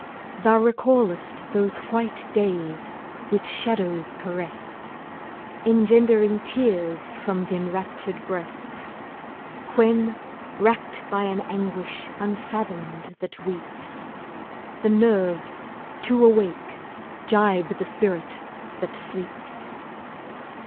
Thou recallest those white days with shadows caressed, Engendering tears from th' enraptured breast, When racked by an anguish unfathomed that weeps, The nerves, too awake, jibe the spirit that sleeps.